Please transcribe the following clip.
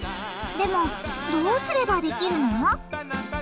でもどうすればできるの？